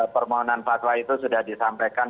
permohonan fatwa itu sudah disampaikan